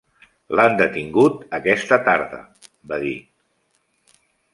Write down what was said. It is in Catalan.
"L'han detingut aquesta tarda," va dir.